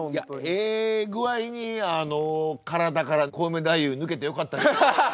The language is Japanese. ええ具合に体からコウメ太夫抜けてよかった。